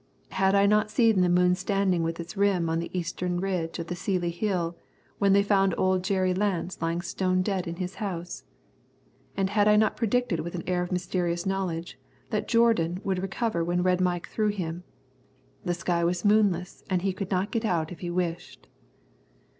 Had I not seen the moon standing with its rim on the eastern ridge of the Seely Hill when they found old Jerry Lance lying stone dead in his house? And had I not predicted with an air of mysterious knowledge that Jourdan would recover when Red Mike threw him? The sky was moonless and he could not get out if he wished.